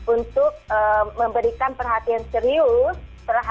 untuk memberikan kemampuan untuk kemampuan negara